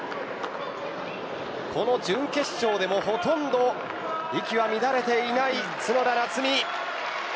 この準決勝でも、ほとんど息は乱れていない角田夏実。